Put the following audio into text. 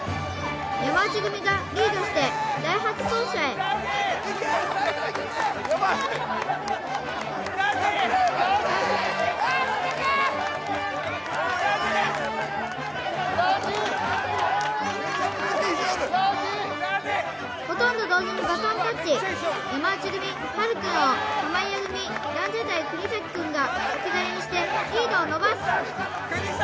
山内組がリードして第８走者へほとんど同時にバトンタッチ山内組はるくんを濱家組ランジャタイ国崎くんが置き去りにしてリードを伸ばす・